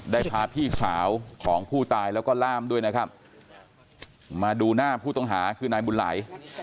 ได้พาพี่สาวของผู้ตายแล้วก็ล่ามด้วยนะครับมาดูหน้าผู้ต้องหาคือนายบุญไหล